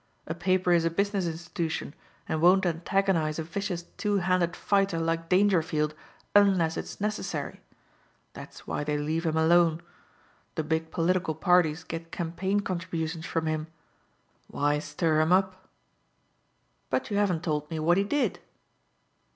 A paper is a business institution and won't antagonize a vicious two handed fighter like Dangerfield unless it's necessary. That's why they leave him alone. The big political parties get campaign contributions from him. Why stir him up?" "But you haven't told me what he did?"